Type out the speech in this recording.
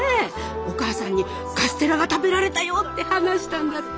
お母さんにカステラが食べられたよって話したんだって。